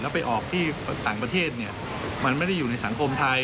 ไปออกที่ต่างประเทศมันไม่ได้อยู่ในสังคมไทย